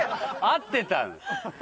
合ってた。